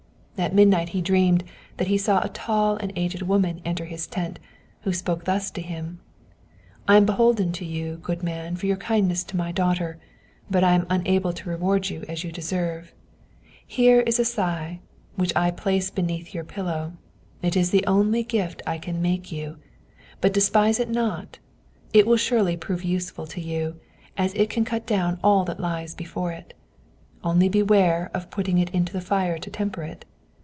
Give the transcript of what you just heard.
At midnight he dreamed that he saw a tall and aged woman enter his tent, who spoke thus to him: "I am beholden to you, good man, for your kindness to my daughter, but am unable to reward you as you deserve. Here is a scythe which I place beneath your pillow; it is the only gift I can make you, but despise it not. It will surely prove useful to you, as it can cut down all that lies before it. Only beware of putting it into the fire to temper it.